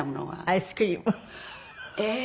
アイスクリーム。